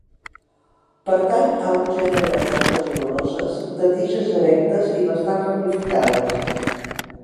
Pertany a un gènere de plantes oloroses, de tiges erectes i bastant ramificades.